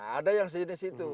ada yang sejenis itu